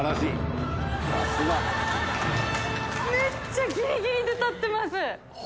めっちゃギリギリで立ってます！